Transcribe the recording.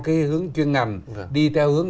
cái hướng chuyên ngành đi theo hướng